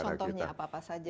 contohnya apa apa saja